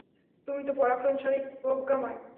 তুমি তো পরাক্রমশালী, প্রজ্ঞাময়।